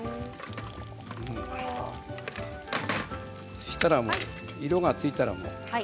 そうしたら色がついたら。